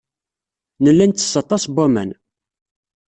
Nella nettess aṭas n waman.